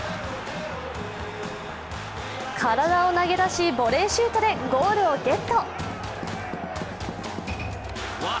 体を投げ出し、ボレーシュートでゴールをゲット。